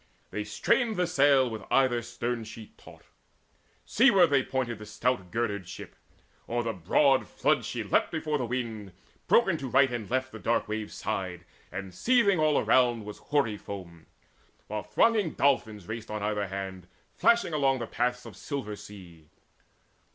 They strained the sail with either stern sheet taut; Seaward they pointed the stout girdered ship; O'er the broad flood she leapt before the wind; Broken to right and left the dark wave sighed, And seething all around was hoary foam, While thronging dolphins raced on either hand Flashing along the paths of silver sea.